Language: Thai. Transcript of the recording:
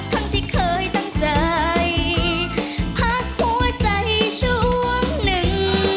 ทั้งที่เคยตั้งใจพักหัวใจช่วงหนึ่ง